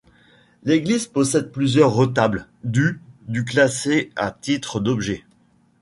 L'église possède plusieurs retables du du classés à titre d'objet.